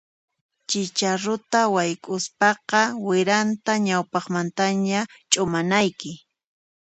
Chicharuta wayk'uspaqa wiranta ñawpaqmantaña ch'umanayki.